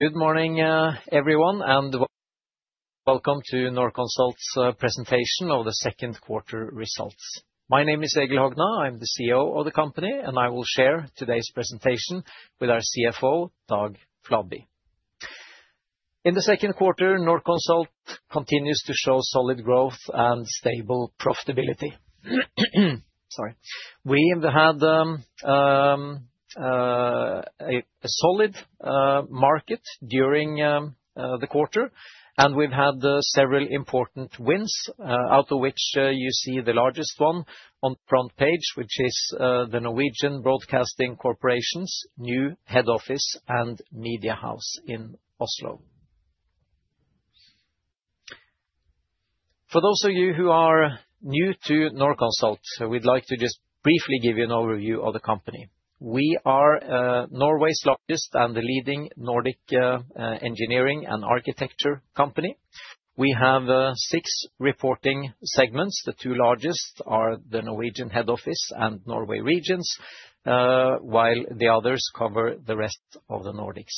Good morning, everyone, and welcome to Norconsult's Presentation Of The Second Quarter Results. My name is Egil Hogna, I'm the CEO of the company, and I will share today's presentation with our CFO, Dag Fladby. In the second quarter, Norconsult continues to show solid growth and stable profitability. We have had a solid market during the quarter, and we've had several important wins, out of which you see the largest one on the front page, which is the Norwegian Broadcasting Corporation's new head office and media house in Oslo. For those of you who are new to Norconsult, we'd like to just briefly give you an overview of the company. We are Norway's largest and the leading Nordic engineering and architecture company. We have six reporting segments. The two largest are the Norwegian head office and Norway regions, while the others cover the rest of the Nordics.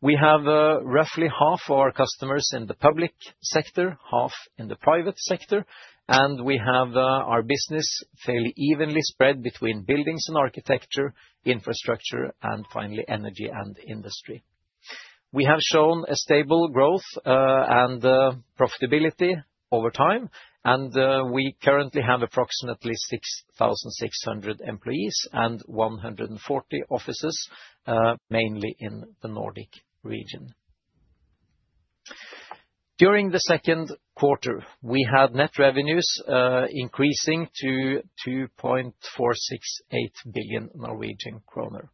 We have roughly half of our customers in the public sector, half in the private sector, and we have our business fairly evenly spread between buildings and architecture, infrastructure, and finally energy and industry. We have shown a stable growth and profitability over time, and we currently have approximately 6,600 employees and 140 offices, mainly in the Nordic region. During the second quarter, we had net revenues increasing to 2.468 billion Norwegian kroner.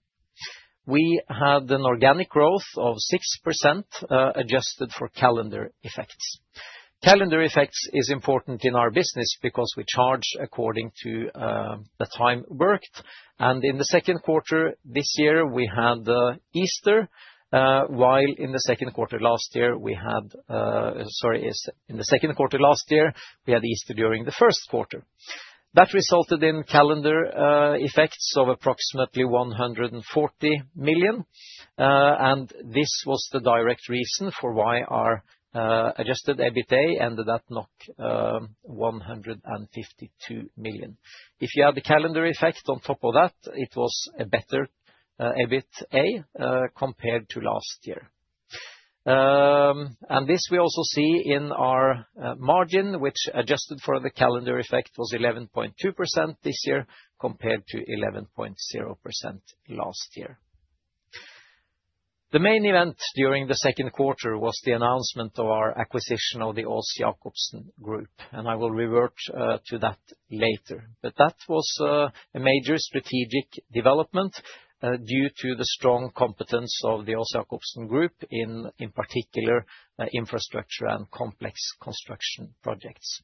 We had an organic growth of 6%, adjusted for calendar effects. Calendar effects is important in our business because we charge according to the time worked. In the second quarter this year, we had Easter, while in the second quarter last year, we had Easter during the first quarter. That resulted in calendar effects of approximately 140 million, and this was the direct reason for why our adjusted EBITDA ended up knocking 152 million. If you add the calendar effects on top of that, it was a better EBITDA compared to last year. This we also see in our margin, which adjusted for the calendar effect was 11.2% this year compared to 11.0% last year. The main event during the second quarter was the announcement of our acquisition of the Aas-Jakobsen Group, and I will revert to that later. That was a major strategic development due to the strong competence of the Aas-Jakobsen Group in particular infrastructure and complex construction projects.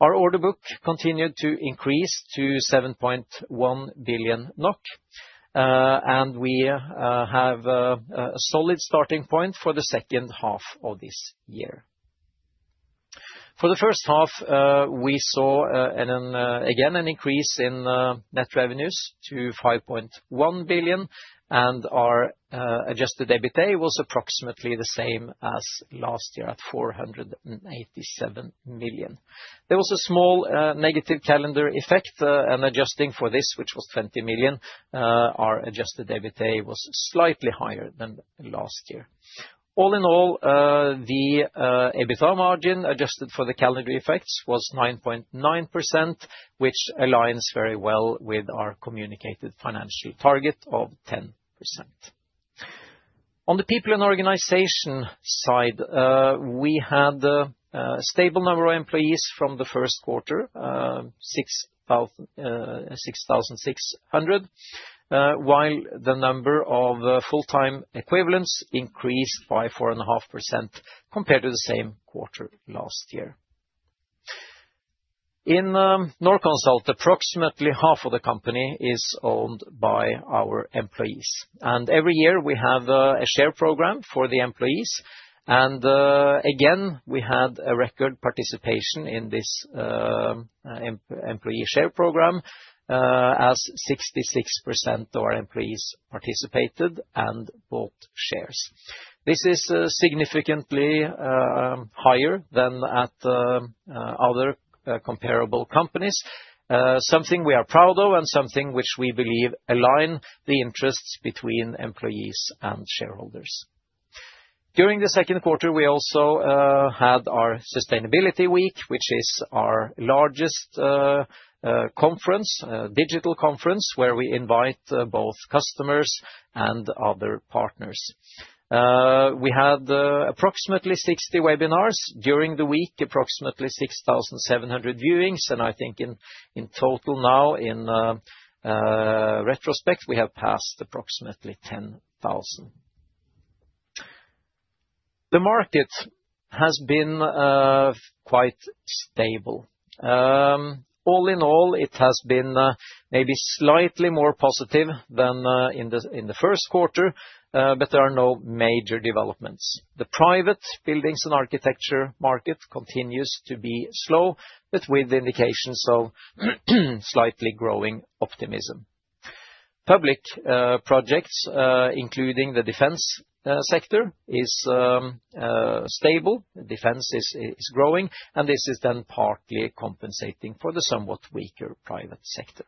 Our order book continued to increase to 7.1 billion NOK, and we have a solid starting point for the second half of this year. For the first half, we saw again an increase in net revenues to 5.1 billion, and our adjusted EBITDA was approximately the same as last year at 487 million. There was a small negative calendar effect, and adjusting for this, which was 20 million, our adjusted EBITDA was slightly higher than last year. All in all, the EBITDA margin adjusted for the calendar effects was 9.9%, which aligns very well with our communicated financial target of 10%. On the people and organization side, we had a stable number of employees from the first quarter, 6,600, while the number of full-time equivalents increased by 4.5% compared to the same quarter last year. In Norconsult, approximately half of the company is owned by our employees. Every year, we have a share program for the employees. Again, we had a record participation in this employee share program, as 66% of our employees participated and bought shares. This is significantly higher than at other comparable companies, something we are proud of and something which we believe aligns the interests between employees and shareholders. During the second quarter, we also had our Sustainability Week, which is our largest conference, a digital conference where we invite both customers and other partners. We had approximately 60 webinars during the week, approximately 6,700 viewings, and I think in total now, in retrospect, we have passed approximately 10,000. The market has been quite stable. All in all, it has been maybe slightly more positive than in the first quarter, but there are no major developments. The private buildings and architecture market continues to be slow, with indications of slightly growing optimism. Public projects, including the defense sector is stable. Defense is growing, and this is then partly compensating for the somewhat weaker private sector.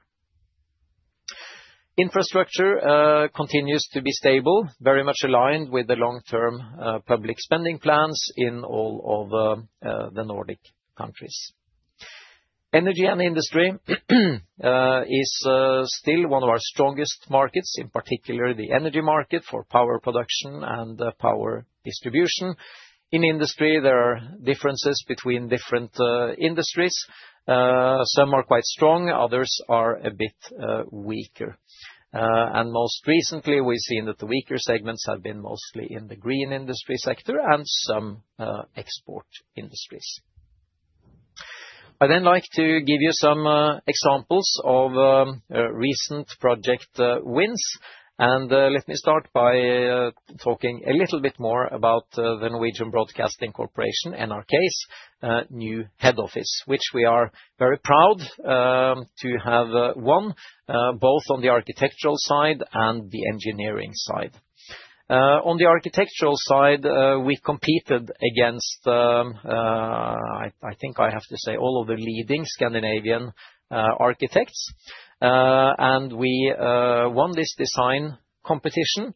Infrastructure continues to be stable, very much aligned with the long-term public spending plans in all of the Nordic countries. Energy and industry is still one of our strongest markets, in particular the energy market for power production and power distribution. In industry, there are differences between different industries. Some are quite strong, others are a bit weaker. Most recently, we've seen that the weaker segments have been mostly in the green industry sector and some export industries. I'd then like to give you some examples of recent project wins, and let me start by talking a little bit more about the Norwegian Broadcasting Corporation, NRK's new head office, which we are very proud to have won, both on the architectural side and the engineering side. On the architectural side, we competed against, I think I have to say, all of the leading Scandinavian architects, and we won this design competition.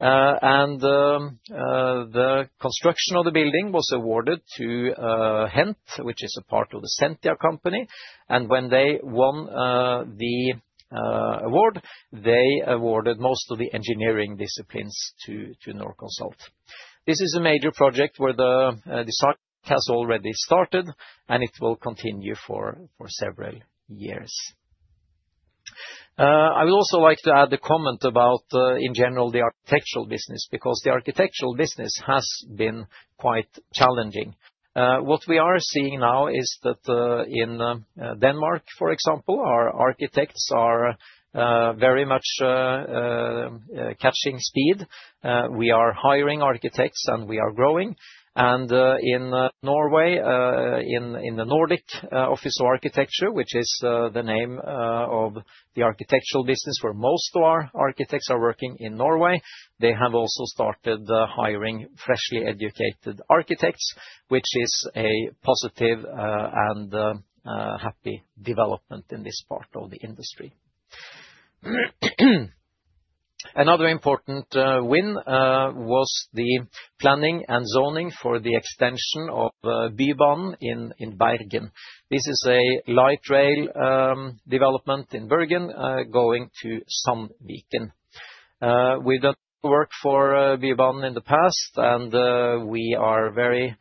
The construction of the building was awarded to Hent, which is a part of the Sentia company. When they won the award, they awarded most of the engineering disciplines to Norconsult. This is a major project where the design has already started, and it will continue for several years. I would also like to add a comment about, in general, the architectural business because the architectural business has been quite challenging. What we are seeing now is that in Denmark, for example, our architects are very much catching speed. We are hiring architects, and we are growing. In Norway, in the Nordic Office of Architecture, which is the name of the architectural business where most of our architects are working in Norway, they have also started hiring freshly educated architects, which is a positive and happy development in this part of the industry. Another important win was the planning and zoning for the extension of Buban in Bergen. This is a light rail development in Bergen going to Sandviken. We've done work for Buban in the past, and we are very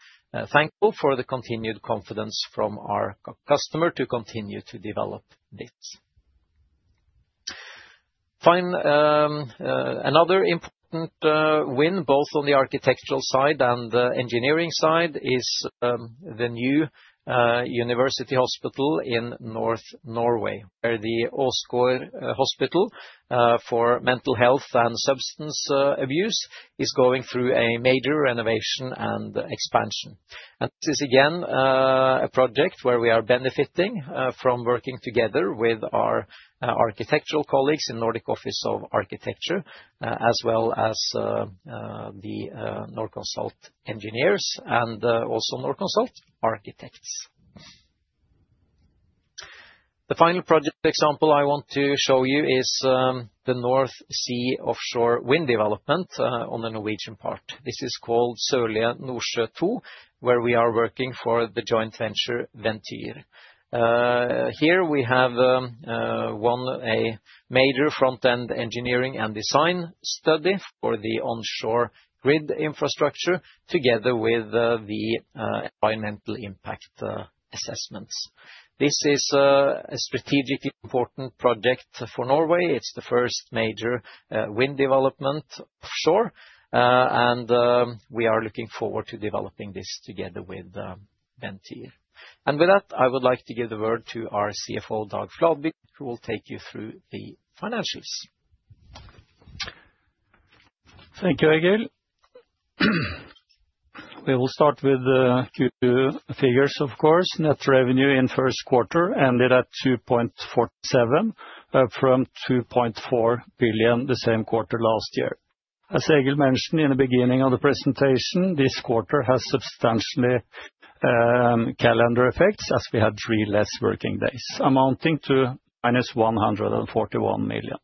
thankful for the continued confidence from our customer to continue to develop this. Another important win, both on the architectural side and the engineering side, is the new university hospital in North Norway, where the Asker Hospital for Mental Health and Substance Abuse is going through a major renovation and expansion. This is again a project where we are benefiting from working together with our architectural colleagues in the Nordic Office of Architecture, as well as the Norconsult engineers and also Norconsult architects. The final project example I want to show you is the North Sea offshore wind development on the Norwegian part. This is called Sørøya Nordsjø 2, where we are working for the joint venture Ventyr. Here we have won a major front-end engineering and design study for the onshore grid infrastructure, together with the environmental impact assessments. This is a strategically important project for Norway. It's the first major wind development offshore, and we are looking forward to developing this together with Ventyr. With that, I would like to give the word to our CFO, Dag Fladby, who will take you through the financials. Thank you, Egil. We will start with the two figures, of course. Net revenue in the first quarter ended at 2.47 billion from 2.4 billion the same quarter last year. As Egil mentioned in the beginning of the presentation, this quarter has substantial calendar effects, as we had three less working days, amounting to - 141 million.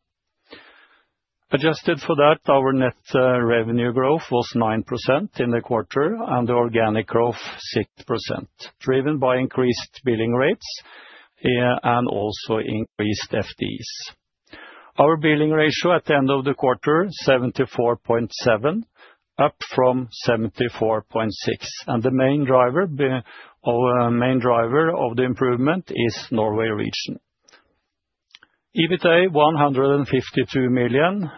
Adjusted for that, our net revenue growth was 9% in the quarter, and the organic growth was 6%, driven by increased billing rates, and also increased FDs. Our billing ratio at the end of the quarter was 74.7%, up from 74.6%. The main driver of the improvement is Norway region. EBITDA was 152 million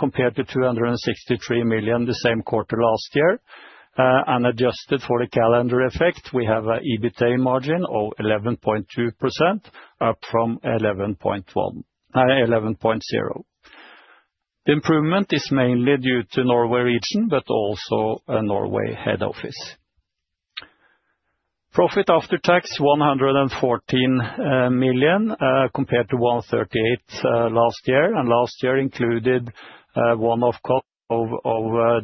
compared to 263 million the same quarter last year. Adjusted for the calendar effect, we have an EBITDA margin of 11.2%, up from 11.0%. The improvement is mainly due to Norway region, but also Norway head office. Profit after tax was 114 million compared to 138 million last year. Last year included one-off cut of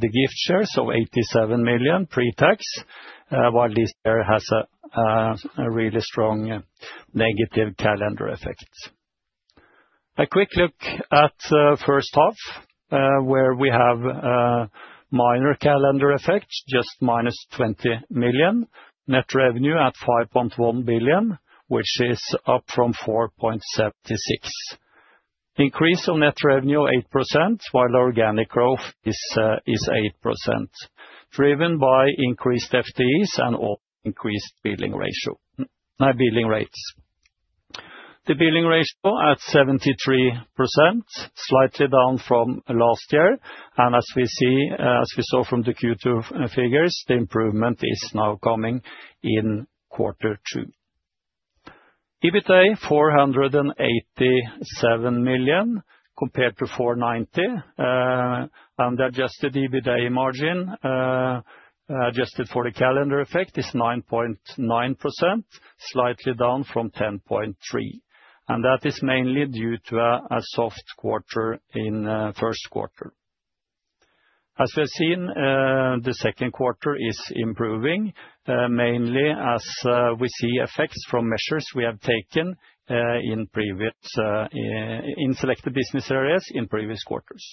the gift shares, so 87 million pre-tax, while this year has a really strong negative calendar effects. A quick look at the first half, where we have a minor calendar effect, just - 28 million. Net revenue at 5.1 billion, which is up from 4.76 billion. Increase of net revenue was 8%, while organic growth is 8%, driven by increased FDs and increased billing ratio, not billing rates. The billing ratio is at 73%, slightly down from last year. As we saw from the Q2 figures, the improvement is now coming in quarter two. EBITDA was 487 million compared to 490 million. The adjusted EBITDA margin adjusted for the calendar effect is 9.9%, slightly down from 10.3%. That is mainly due to a soft quarter in the first quarter. As we've seen, the second quarter is improving, mainly as we see effects from measures we have taken in selected business areas in previous quarters.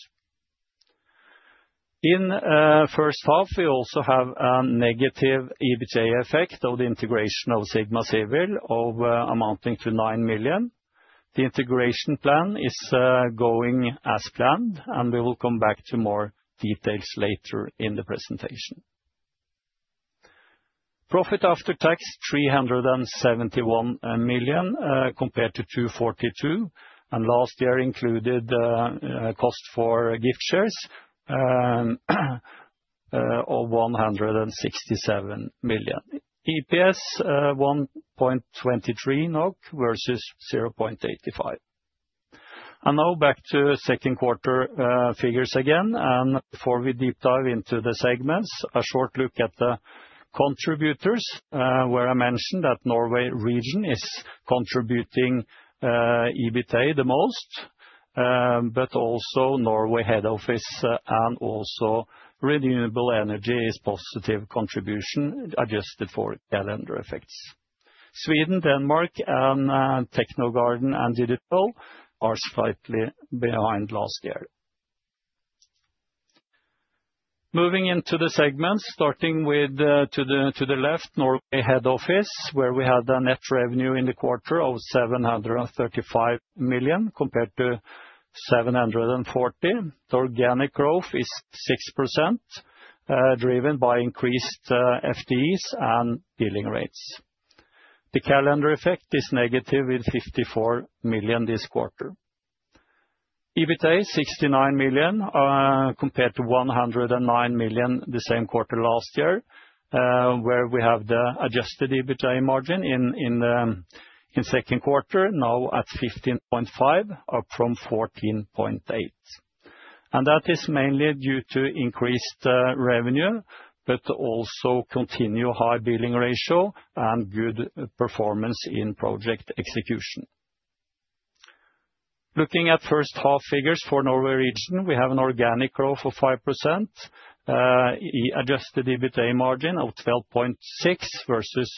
In the first half, we also have a negative EBITDA effect of the integration of Sigma Civil amounting to 9 million. The integration plan is going as planned, and we will come back to more details later in the presentation. Profit after tax was 371 million compared to 242 million. Last year included cost for gift shares of 167 million. EPS was 1.23 NOK versus 0.85. Now back to the second quarter figures again. Before we deep dive into the segments, a short look at the contributors, where I mentioned that Norway region is contributing EBITDA the most, but also Norway head office and also renewable energy is a positive contribution adjusted for calendar effects. Sweden, Denmark, and Technogarden and DDPL are slightly behind last year. Moving into the segments, starting with to the left, Norway head office, where we had a net revenue in the quarter of 735 million compared to 740 million. The organic growth is 6%, driven by increased FDs and billing rates. The calendar effect is negative with 54 million this quarter. EBITDA was 69 million compared to 109 million the same quarter last year, where we have the adjusted EBITDA margin in the second quarter now at 15.5%, up from 14.8%. That is mainly due to increased revenue, but also continued high billing ratio and good performance in project execution. Looking at the first half figures for Norway region, we have an organic growth of 5%, adjusted EBITDA margin of 12.6% versus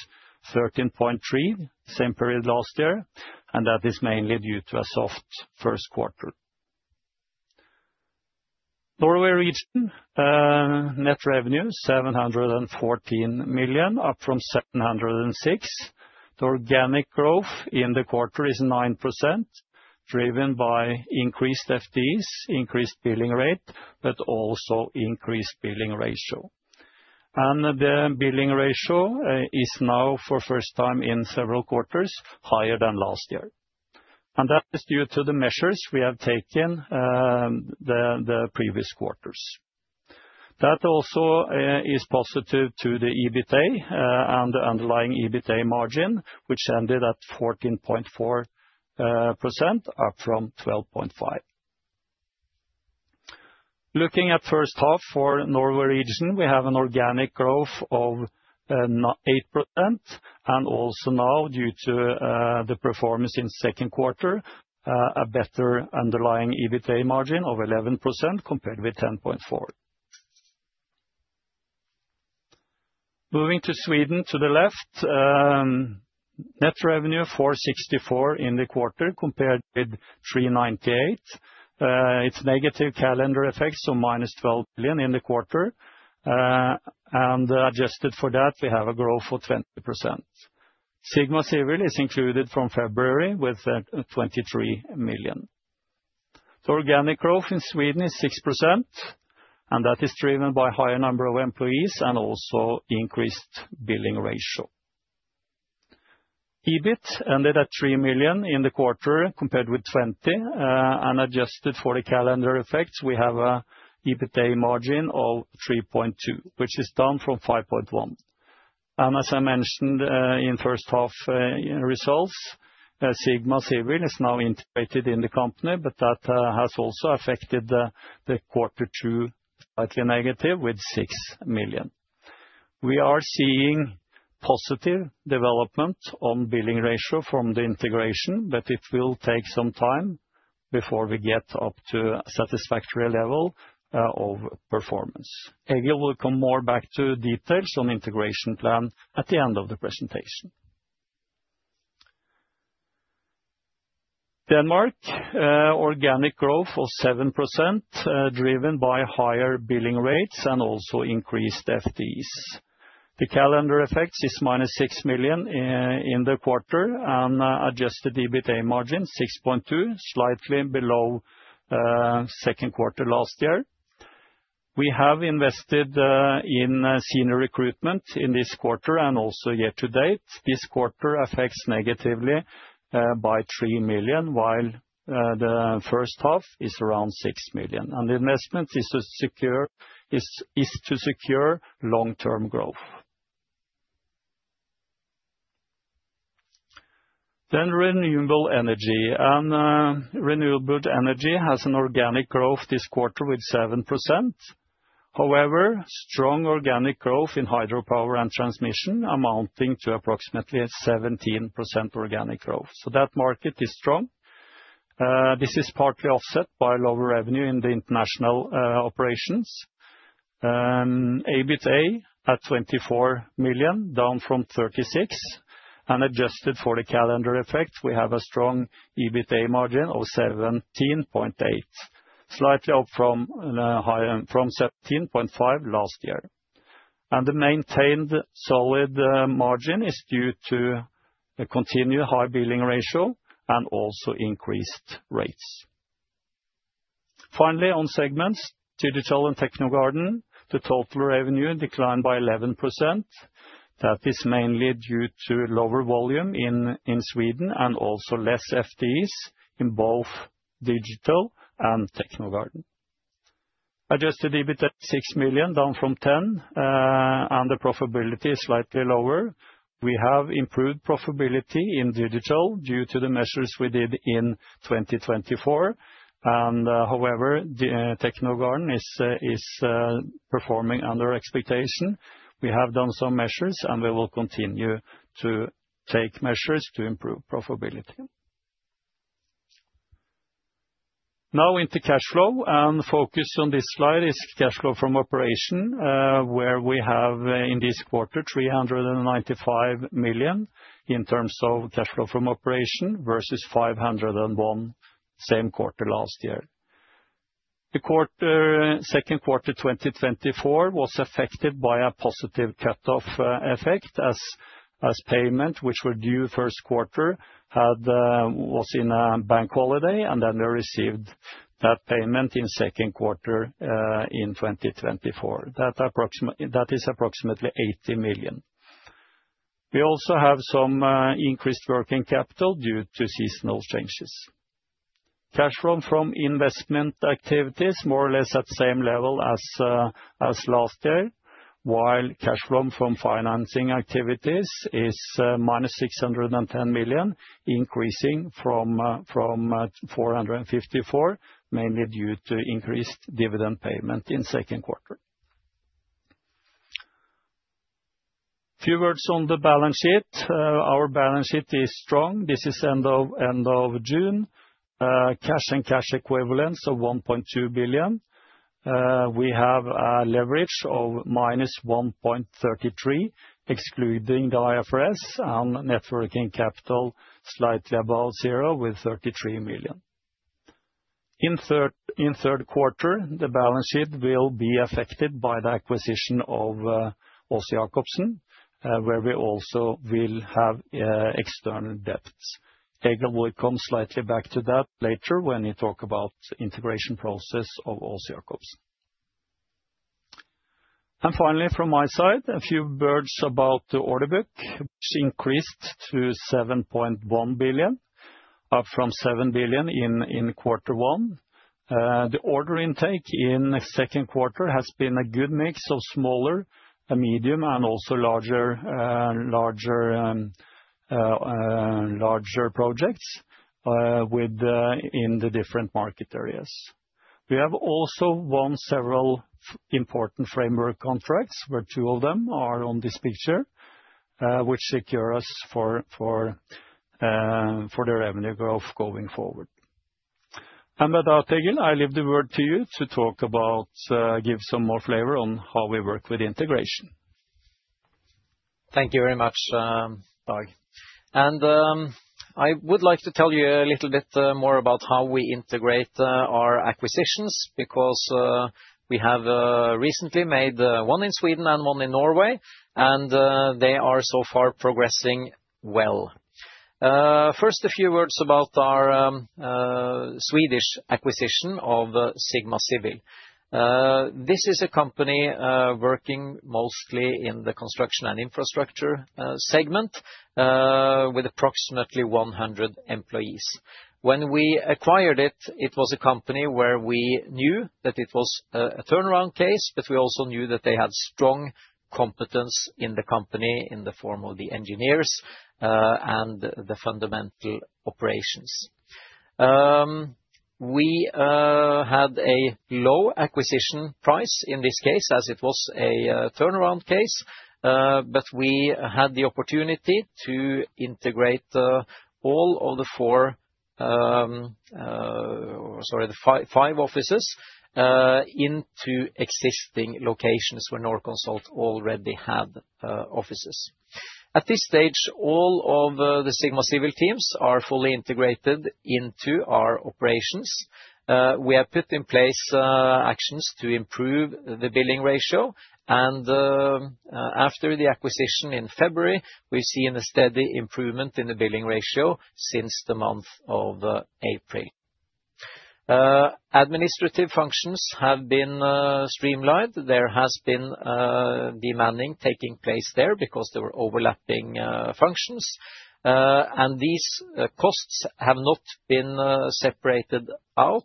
13.3% the same period last year. That is mainly due to a soft first quarter. Norway region net revenue was 714 million, up from 706 million. The organic growth in the quarter is 9%, driven by increased FDs, increased billing rate, but also increased billing ratio. The billing ratio is now, for the first time in several quarters, higher than last year. That is due to the measures we have taken in the previous quarters. That also is positive to the EBITDA and the underlying EBITDA margin, which ended at 14.4%, up from 12.5%. Looking at the first half for Norway region, we have an organic growth of 8%, and also now due to the performance in the second quarter, a better underlying EBITDA margin of 11% compared with 10.4%. Moving to Sweden to the left, net revenue was 464 million in the quarter compared with 398 million. It's negative calendar effects, so -12 million in the quarter. Adjusted for that, we have a growth of 20%. Sigma Civil is included from February with 23 million. The organic growth in Sweden is 6%, and that is driven by a higher number of employees and also increased billing ratio. EBIT ended at 3 million in the quarter compared with 20 million, and adjusted for the calendar effects, we have an EBITDA margin of 3.2%, which is down from 5.1%. As I mentioned in the first half results, Sigma Civil is now integrated in the company, but that has also affected the quarter two slightly negative with 6 million. We are seeing positive development on the billing ratio from the integration, but it will take some time before we get up to a satisfactory level of performance. Egil will come more back to details on the integration plan at the end of the presentation. In Denmark, organic growth was 7%, driven by higher billing rates and also increased FDs. The calendar effects is -6 million in the quarter, and adjusted EBITDA margin is 6.2%, slightly below the second quarter last year. We have invested in senior recruitment in this quarter and also year to date. This quarter is affected negatively by 3 million, while the first half is around 6 million. The investment is to secure long-term growth. In renewable energy, organic growth this quarter was 7%. However, there was strong organic growth in hydropower and transmission, amounting to approximately 17% organic growth. That market is strong. This is partly offset by lower revenue in the international operations. EBITDA at 24 million, down from 36 million. Adjusted for the calendar effect, we have a strong EBITDA margin of 17.8%, slightly up from 17.5% last year. The maintained solid margin is due to a continued high billing ratio and also increased rates. Finally, on segments, Digital and Technogarden, the total revenue declined by 11%. That is mainly due to lower volume in Sweden and also less FDs in both Digital and Technogarden. Adjusted EBITDA at 6 million, down from 10 million, and the profitability is slightly lower. We have improved profitability in Digital due to the measures we did in 2024. However, Technogarden is performing under expectation. We have done some measures, and we will continue to take measures to improve profitability. Now into cash flow, and the focus on this slide is cash flow from operation, where we have in this quarter 395 million in terms of cash flow from operation versus 501 million same quarter last year. The second quarter of 2024 was affected by a positive cut-off effect, as payments which were due first quarter and was in a bank holiday, and then we received that payment in the second quarter in 2024. That is approximately 80 million. We also have some increased working capital due to seasonal changes. Cash flow from investment activities is more or less at the same level as last year, while cash flow from financing activities is - 610 million, increasing from 454 million, mainly due to increased dividend payment in the second quarter. A few words on the balance sheet. Our balance sheet is strong. This is the end of June. Cash and cash equivalents are 1.2 billion. We have a leverage of -1.33, excluding the IFRS, and net working capital is slightly above zero with 33 million. In the third quarter, the balance sheet will be affected by the acquisition of Aas-Jakobsen, where we also will have external debts. Egil will come slightly back to that later when he talks about the integration process of Aas-Jakobsen. Finally, from my side, a few words about the order book, which increased to 7.1 billion, up from 7 billion in quarter one. The order intake in the second quarter has been a good mix of smaller, medium, and also larger projects in the different market areas. We have also won several important framework contracts, where two of them are on this picture, which secure us for the revenue growth going forward. Without Egil, I leave the word to you to talk about, give some more flavor on how we work with integration. Thank you very much, Dag. I would like to tell you a little bit more about how we integrate our acquisitions because we have recently made one in Sweden and one in Norway, and they are so far progressing well. First, a few words about our Swedish acquisition of Sigma Civil. This is a company working mostly in the construction and infrastructure segment with approximately 100 employees. When we acquired it, it was a company where we knew that it was a turnaround case, but we also knew that they had strong competence in the company in the form of the engineers and the fundamental operations. We had a low acquisition price in this case, as it was a turnaround case, but we had the opportunity to integrate all of the five offices into existing locations where Norconsult already had offices. At this stage, all of the Sigma Civil teams are fully integrated into our operations. We have put in place actions to improve the billing ratio. After the acquisition in February, we've seen a steady improvement in the billing ratio since the month of April. Administrative functions have been streamlined. There has been a demanding taking place there because there were overlapping functions. These costs have not been separated out.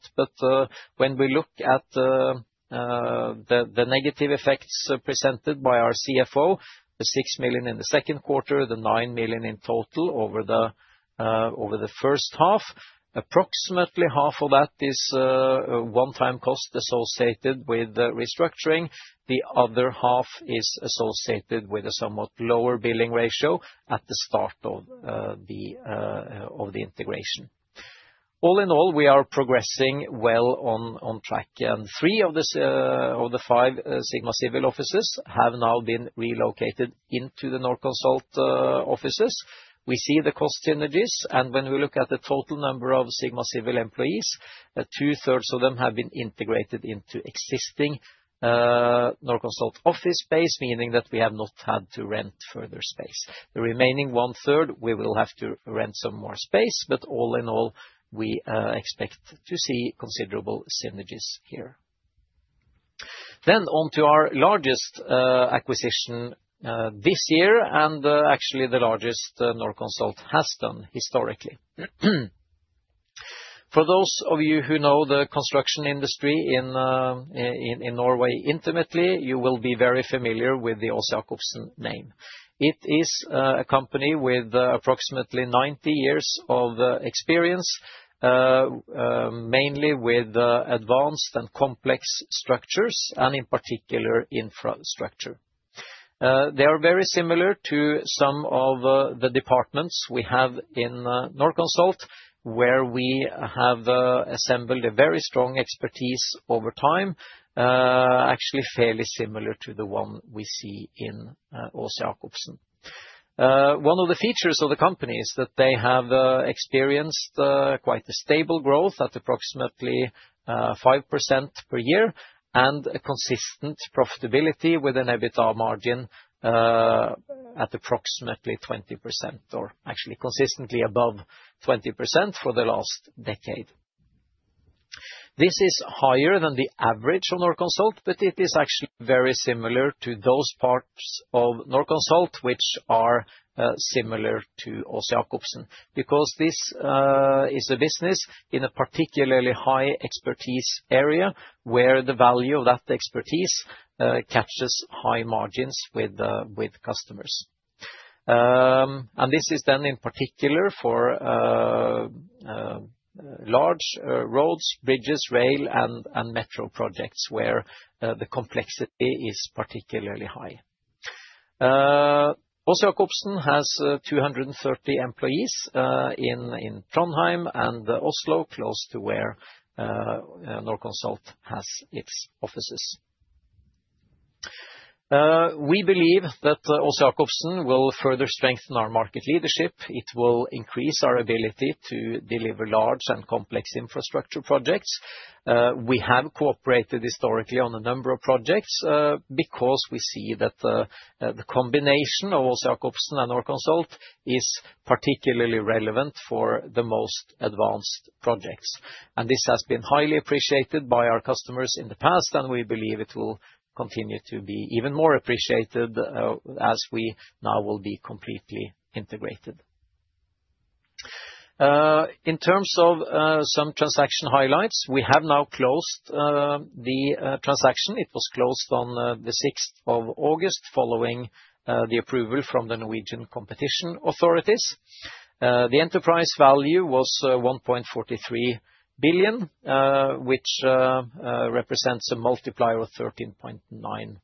When we look at the negative effects presented by our CFO, the 6 million in the second quarter, the 9 million in total over the first half, approximately half of that is one-time cost associated with restructuring. The other half is associated with a somewhat lower billing ratio at the start of the integration. All in all, we are progressing well on track. Three of the five Sigma Civil offices have now been relocated into the Norconsult offices. We see the cost synergies. When we look at the total number of Sigma Civil employees, two-thirds of them have been integrated into existing Norconsult office space, meaning that we have not had to rent further space. The remaining one-third, we will have to rent some more space. All in all, we expect to see considerable synergies here. On to our largest acquisition this year, and actually the largest Norconsult has done historically. For those of you who know the construction industry in Norway intimately, you will be very familiar with the Aas-Jakobsen name. It is a company with approximately 90 years of experience, mainly with advanced and complex structures, and in particular, infrastructure. They are very similar to some of the departments we have in Norconsult, where we have assembled a very strong expertise over time, actually fairly similar to the one we see in Aas-Jakobsen. One of the features of the company is that they have experienced quite a stable growth at approximately 5% per year and a consistent profitability with an EBITDA margin at approximately 20%, or actually consistently above 20% for the last decade. This is higher than the average of Norconsult, but it is actually very similar to those parts of Norconsult which are similar to Aas-Jakobsen because this is a business in a particularly high expertise area where the value of that expertise captures high margins with customers. This is done in particular for large roads, bridges, rail, and metro projects where the complexity is particularly high. Aas-Jakobsen has 230 employees in Trondheim and Oslo, close to where Norconsult has its offices. We believe that Aas-Jakobsen will further strengthen our market leadership. It will increase our ability to deliver large and complex infrastructure projects. We have cooperated historically on a number of projects because we see that the combination of Aas-Jakobsen and Norconsult is particularly relevant for the most advanced projects. This has been highly appreciated by our customers in the past, and we believe it will continue to be even more appreciated as we now will be completely integrated. In terms of some transaction highlights, we have now closed the transaction. It was closed on the 6th of August following the approval from the Norwegian competition authorities. The enterprise value was 1.43 billion, which represents a multiplier of 13.9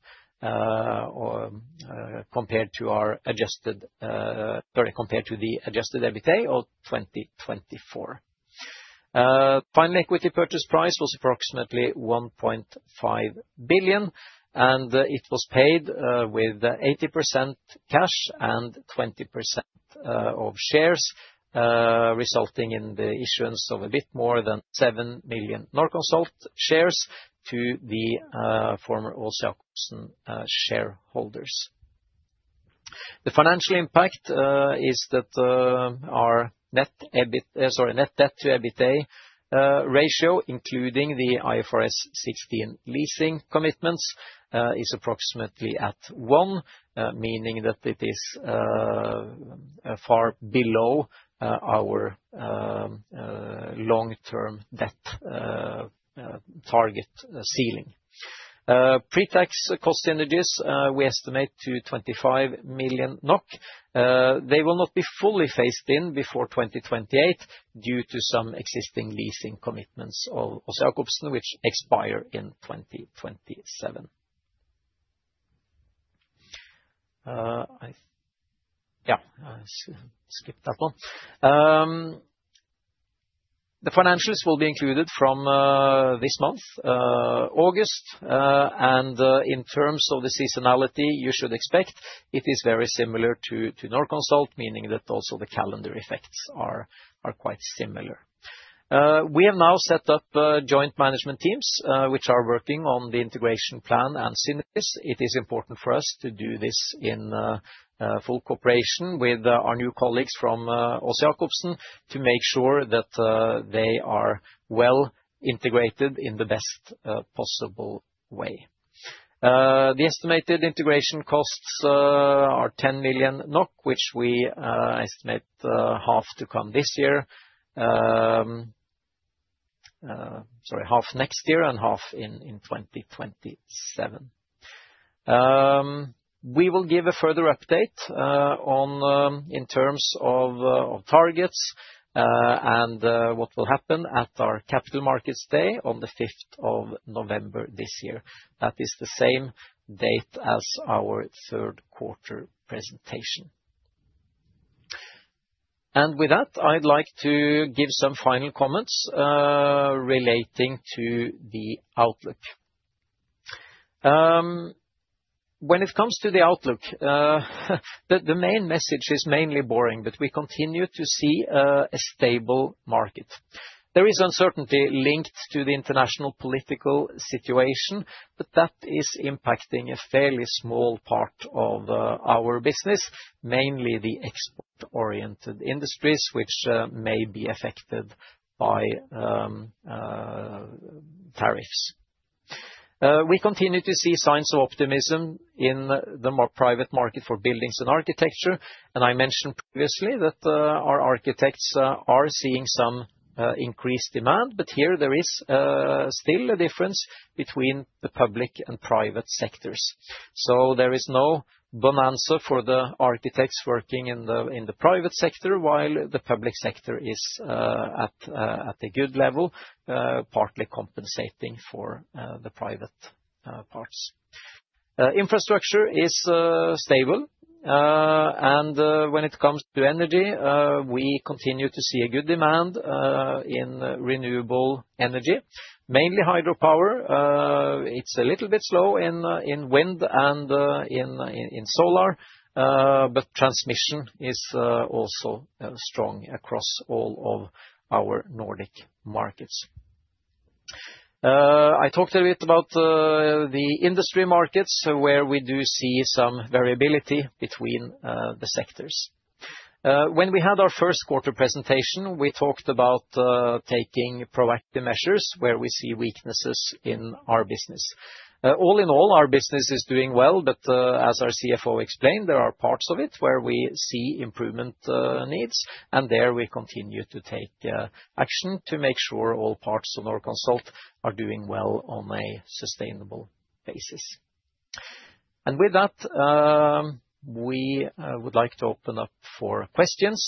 compared to the adjusted EBITDA of 2024. Final equity purchase price was approximately 1.5 billion, and it was paid with 80% cash and 20% of shares, resulting in the issuance of a bit more than 7 million Norconsult shares to the former Aas-Jakobsen shareholders. The financial impact is that our net debt to EBITDA ratio, including the IFRS 16 leasing commitments, is approximately at 1, meaning that it is far below our long-term debt target ceiling. Pre-tax cost synergies, we estimate to 25 million NOK. They will not be fully phased in before 2028 due to some existing leasing commitments of Aas-Jakobsen, which expire in 2027. The financials will be included from this month, August. In terms of the seasonality, you should expect it is very similar to Norconsult, meaning that also the calendar effects are quite similar. We have now set up joint management teams, which are working on the integration plan and synergies. It is important for us to do this in full cooperation with our new colleagues from Aas-Jakobsen to make sure that they are well integrated in the best possible way. The estimated integration costs are 10 million NOK, which we estimate half to come this year, half next year, and half in 2027. We will give a further update in terms of targets and what will happen at our Capital Markets Day on November 5, 2024. That is the same date as our third quarter presentation. I would like to give some final comments relating to the outlook. When it comes to the outlook, the main message is mainly boring, but we continue to see a stable market. There is uncertainty linked to the international political situation, but that is impacting a fairly small part of our business, mainly the export-oriented industries, which may be affected by tariffs. We continue to see signs of optimism in the private market for buildings and architecture. I mentioned previously that our architects are seeing some increased demand, but here there is still a difference between the public and private sectors. There is no bonanza for the architects working in the private sector, while the public sector is at a good level, partly compensating for the private parts. Infrastructure is stable. When it comes to energy, we continue to see a good demand in renewable energy, mainly hydropower. It is a little bit slow in wind and in solar, but transmission is also strong across all of our Nordic markets. I talked a bit about the industry markets where we do see some variability between the sectors. When we had our first quarter presentation, we talked about taking proactive measures where we see weaknesses in our business. All in all, our business is doing well, but as our CFO explained, there are parts of it where we see improvement needs, and there we continue to take action to make sure all parts of Norconsult are doing well on a sustainable basis. We would like to open up for questions.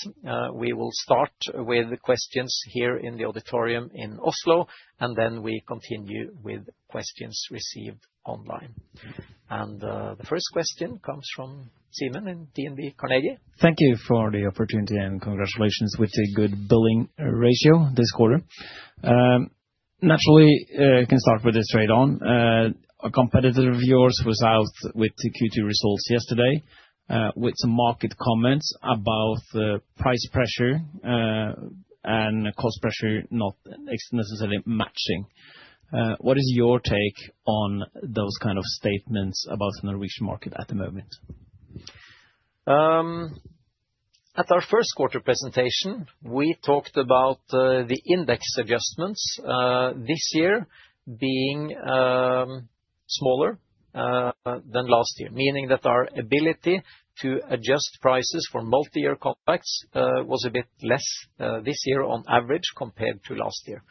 We will start with the questions here in the auditorium in Oslo, and then we continue with questions received online. The first question comes from Simen in DNB Carnegie. Thank you for the opportunity and congratulations with the good billing ratio this quarter. Naturally, I can start with this right on. A competitor of yours was out with the Q2 results yesterday with some market comments about the price pressure and the cost pressure not necessarily matching. What is your take on those kind of statements about the Norwegian market at the moment? At our first quarter presentation, we talked about the index adjustments this year being smaller than last year, meaning that our ability to adjust prices for multi-year contracts was a bit less this year on average compared to last year.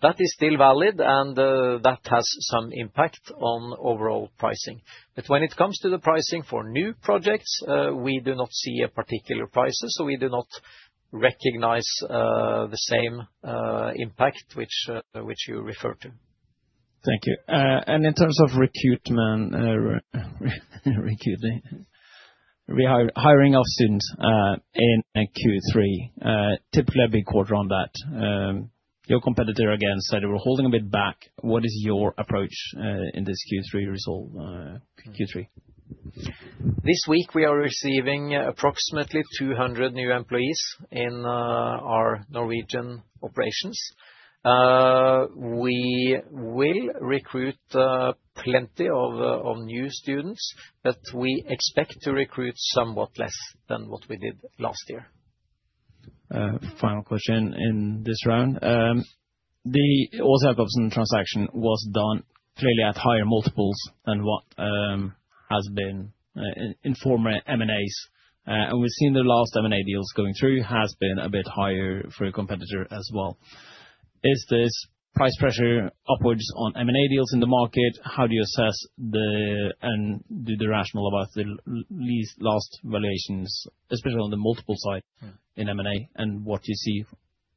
That is still valid, and that has some impact on overall pricing. When it comes to the pricing for new projects, we do not see a particular pricing, so we do not recognize the same impact which you refer to. Thank you. In terms of recruitment, we are hiring our students in Q3, typically a big quarter on that. Your competitor again said they were holding a bit back. What is your approach in this Q3 result? This week, we are receiving approximately 200 new employees in our Norwegian operations. We will recruit plenty of new students, but we expect to recruit somewhat less than what we did last year. Final question in this round. The Aas-Jakobsen transaction was done clearly at higher multiples than what has been in former M&A's. We've seen the last M&A deals going through have been a bit higher for a competitor as well. Is this price pressure upwards on M&A deals in the market? How do you assess and do the rational about the least lost valuations, especially on the multiple side in M&A, and what do you see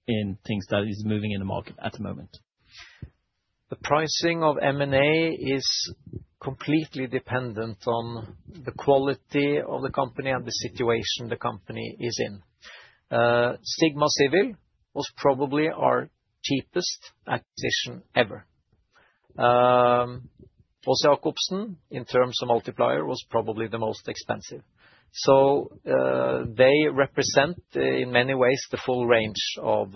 in things that are moving in the market at the moment? The pricing of M&A is completely dependent on the quality of the company and the situation the company is in. Sigma Civil was probably our cheapest acquisition ever. Aas-Jakobsen, in terms of multiplier, was probably the most expensive. They represent, in many ways, the full range of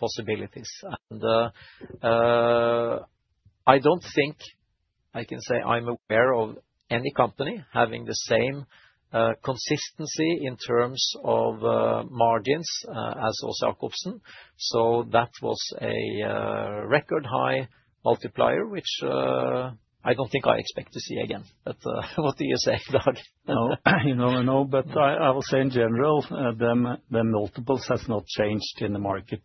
possibilities. I don't think I can say I'm aware of any company having the same consistency in terms of margins as Aas-Jakobsen. That was a record high multiplier, which I don't think I expect to see again. What do you say, Dag? I will say, in general, the multiples have not changed in the market.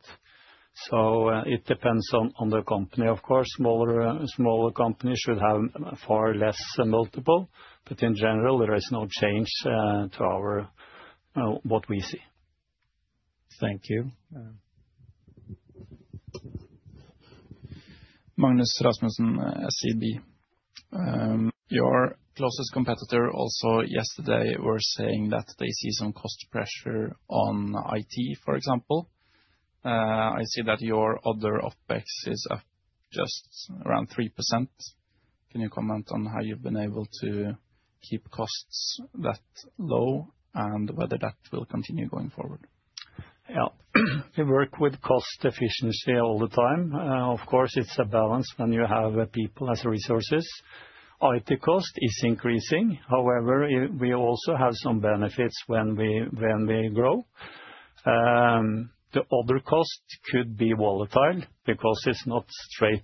It depends on the company, of course. Smaller companies should have far less multiple. In general, there is no change to what we see. Thank you. Magnus Rasmussen, SEB. Your closest competitor also yesterday was saying that they see some cost pressure on IT, for example. I see that your other OpEx is up just around 3%. Can you comment on how you've been able to keep costs that low and whether that will continue going forward? Yeah. We work with cost efficiency all the time. Of course, it's a balance when you have people as resources. IT cost is increasing. However, we also have some benefits when we grow. The other cost could be volatile because it's not straight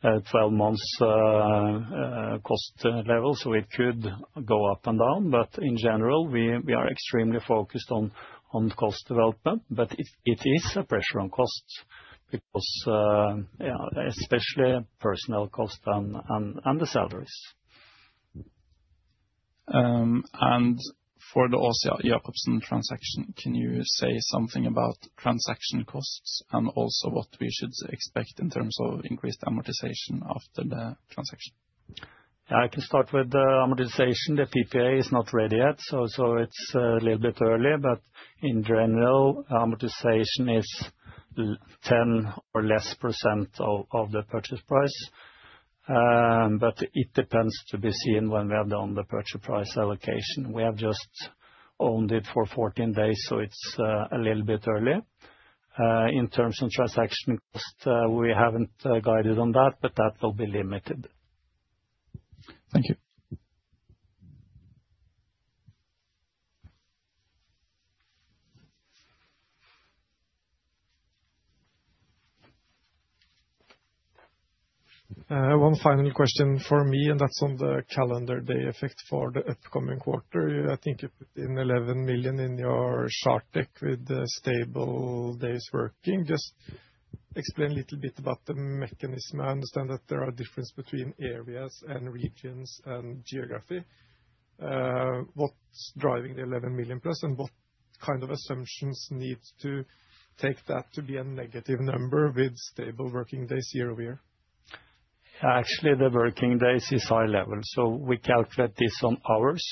12 months cost level, so it could go up and down. In general, we are extremely focused on cost development. It is a pressure on costs because, yeah, especially personal costs and the salaries. For the Aas-Jakobsen transaction, can you say something about transaction costs and also what we should expect in terms of increased amortization after the transaction? Yeah, I can start with the amortization. The PPA is not ready yet, so it's a little bit early. In general, amortization is 10% or less of the purchase price. It depends to be seen when we have done the purchase price allocation. We have just owned it for 14 days, so it's a little bit early. In terms of transaction costs, we haven't guided on that, but that will be limited. One final question from me, and that's on the calendar day effect for the upcoming quarter. I think you put in $11 million in your chart deck with stable days working. Just explain a little bit about the mechanism. I understand that there are differences between areas and regions and geography. What's driving the $11 million plus and what kind of assumptions need to take that to be a negative number with stable working days year over year? Actually, the working days are high level, so we calculate this on hours.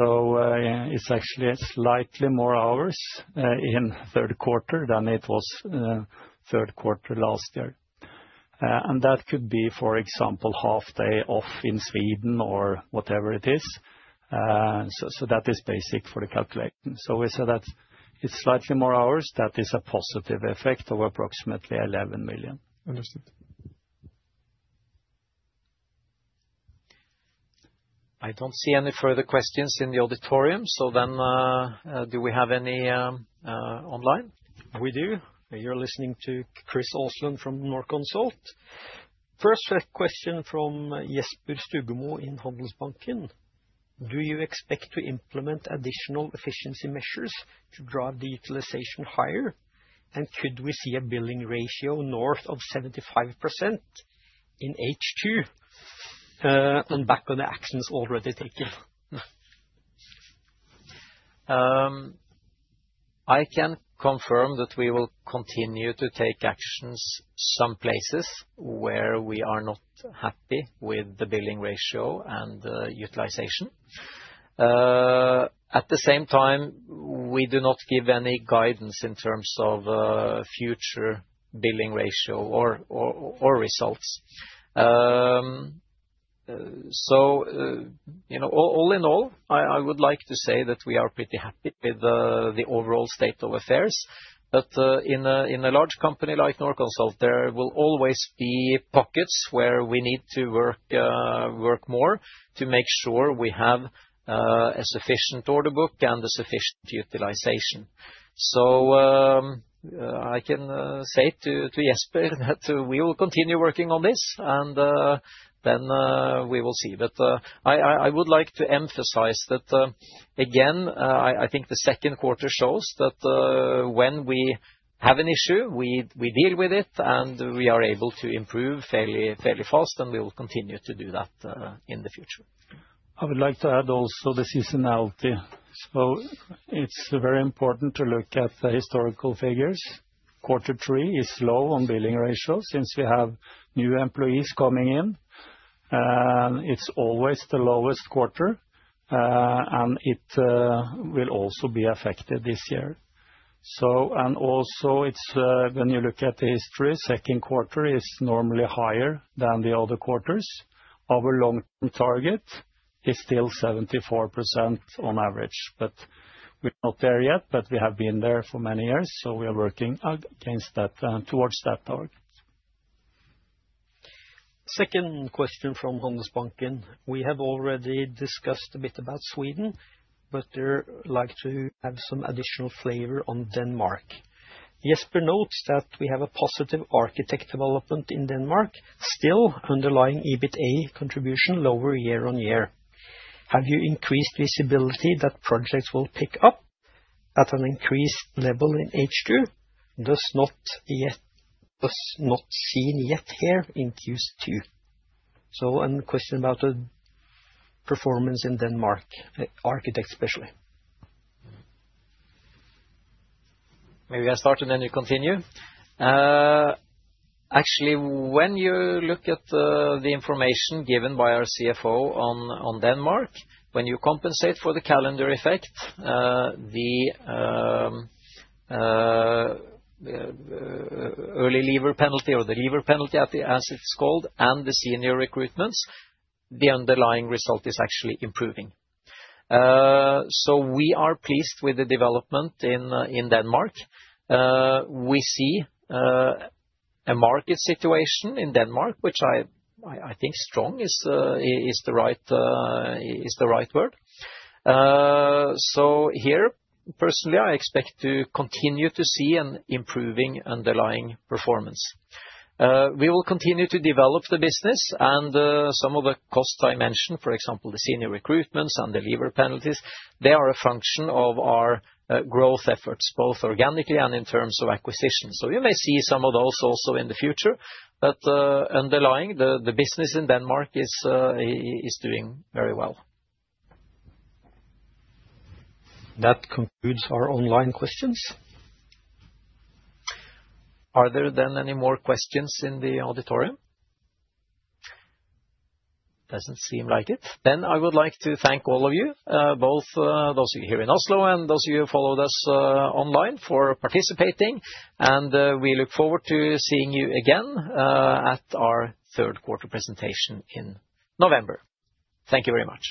It's actually slightly more hours in the third quarter than it was in the third quarter last year. That could be, for example, half a day off in Sweden or whatever it is. That is basic for the calculation. We said that it's slightly more hours. That is a positive effect of approximately 11 million. Understood. I don't see any further questions in the auditorium. Do we have any online? We do. You're listening to Christian Aasland from Norconsult. First question from Jesper Stugmo in Handelsbanken. Do you expect to implement additional efficiency measures to drive the utilization higher? Could we see a billing ratio north of 75% in H2 on back of the actions already taken? I can confirm that we will continue to take actions some places where we are not happy with the billing ratio and utilization. At the same time, we do not give any guidance in terms of future billing ratio or results. All in all, I would like to say that we are pretty happy with the overall state of affairs. In a large company like Norconsult, there will always be pockets where we need to work more to make sure we have a sufficient order book and a sufficient utilization. I can say to Jesper that we will continue working on this, and we will see. I would like to emphasize that, again, I think the second quarter shows that when we have an issue, we deal with it, and we are able to improve fairly and very fast, and we will continue to do that in the future. I would like to add also the seasonality. It's very important to look at the historical figures. Quarter three is low on billing ratios since we have new employees coming in. It's always the lowest quarter, and it will also be affected this year. When you look at the history, the second quarter is normally higher than the other quarters. Our long-term target is still 74% on average. We're not there yet, but we have been there for many years, so we are working against that and towards that target. Second question from Handelsbanken. We have already discussed a bit about Sweden, but we'd like to have some additional flavor on Denmark. Jesper notes that we have a positive architect development in Denmark, still underlying EBITDA contribution lower year-on-year. Have you increased visibility that projects will pick up at an increased level in H2? Does not yet seen yet here in Q2. A question about the performance in Denmark, architects especially. Maybe I start and then you continue. Actually, when you look at the information given by our CFO on Denmark, when you compensate for the calendar effect, the early leaver penalty or the leaver penalty, as it's called, and the senior recruitments, the underlying result is actually improving. We are pleased with the development in Denmark. We see a market situation in Denmark, which I think strong is the right word. Personally, I expect to continue to see an improving underlying performance. We will continue to develop the business, and some of the costs I mentioned, for example, the senior recruitments and the leaver penalties, they are a function of our growth efforts, both organically and in terms of acquisition. You may see some of those also in the future. Underlying, the business in Denmark is doing very well. That concludes our online questions. Are there then any more questions in the auditorium? It doesn't seem like it. I would like to thank all of you, both those here in Oslo and those of you who followed us online, for participating. We look forward to seeing you again at our third quarter presentation in November. Thank you very much.